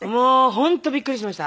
本当びっくりしました。